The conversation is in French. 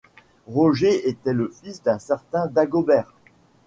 Roger était le fils d'un certain Dagobert.